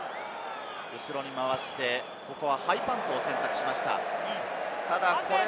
後ろに回してハイパントを選択しました。